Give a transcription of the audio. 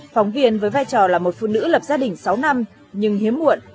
phóng viên với vai trò là một phụ nữ lập gia đình sáu năm nhưng hiếm muộn